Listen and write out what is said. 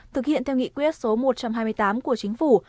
thực hiện theo nghị quyết số một trăm hai mươi tám của chính phủ